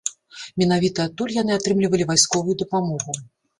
Менавіта адтуль яны атрымлівалі вайсковую дапамогу.